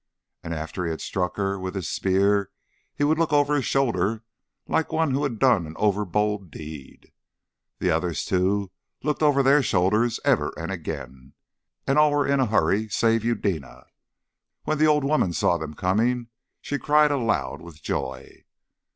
And after he had struck her with his spear, he would look over his shoulder like one who had done an over bold deed. The others, too, looked over their shoulders ever and again, and all were in a hurry save Eudena. When the old woman saw them coming, she cried aloud with joy.